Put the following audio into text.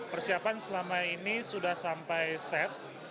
persiapan selama ini sudah sampai set